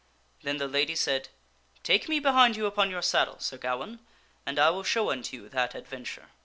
Then the lady said, " Take me behind you upon your saddle, Sir Gawaine, and I will show unto you that adventure."